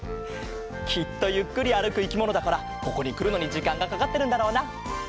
きっとゆっくりあるくいきものだからここにくるのにじかんがかかってるんだろうな。